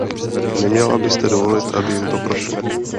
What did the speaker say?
Neměla byste dovolit, aby jim to prošlo.